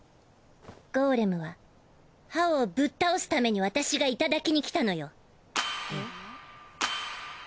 ゴーレムは葉王をぶっ倒すために私がいただきに来たのよ。